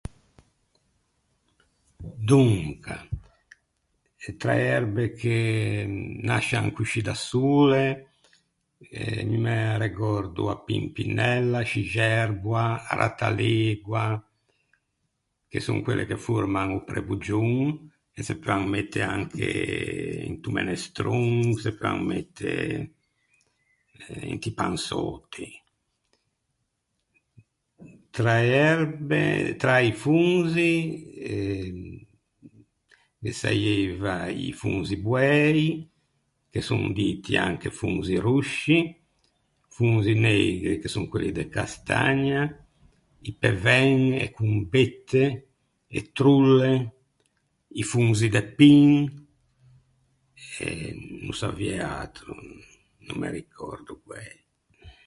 Donca, tra e erbe che nascian coscì da sole, me arregòrdo a pimpinella, a scixerboa, a rattalegua, che son quelle che forman o preboggion, e se peuan mette anche into menestron, se peuan mette inti pansöti. Tra e erbe, tra i fonzi, ghe saieiva i fonzi boæi, che son diti anche fonzi rosci, fonzi neigri che son quelli de castagna, i pevæn, e combette, e trolle, i fonzi de pin, e no saviæ atro, no me ricòrdo guæi.